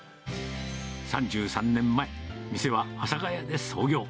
３３年前、店は阿佐ヶ谷で創業。